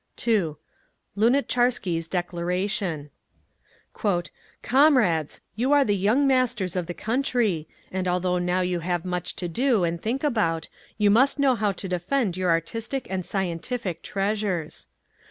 2. LUNATCHARSKY's DECLARATION "Comrades! You are the young masters of the country, and although now you have much to do and think about, you must know how to defend your artistic and scientific treasures.